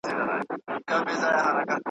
داسي ورځ به راسي چي رویبار به درغلی وي `